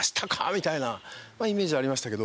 みたいなイメージありましたけど。